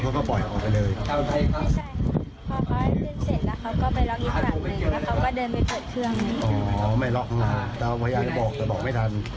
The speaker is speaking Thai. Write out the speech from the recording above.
แต่ว่าพยายามจะบอกแต่บอกไม่ทัน